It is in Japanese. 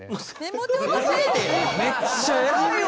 めっちゃ偉いわ！